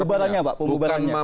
pemubatannya pak pemubatannya